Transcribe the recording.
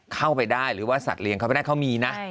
เข้าไปได้หรือว่าสัตว์เลี้ยงเขาไม่ได้เขามีนะ